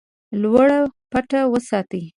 لوړه پټه وساتي.